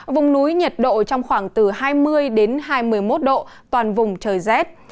vùng núi nhiệt độ trong khoảng từ hai mươi hai mươi một độ toàn vùng trời rét